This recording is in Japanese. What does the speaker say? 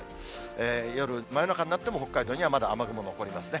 夜、真夜中になっても北海道にはまだ雨雲残りますね。